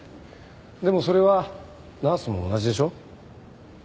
でもそれはナースも同じでしょ？